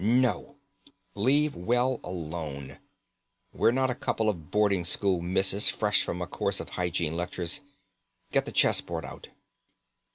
"No, leave well alone. We're not a couple of boarding school misses fresh from a course of hygiene lectures. Get the chessboard out."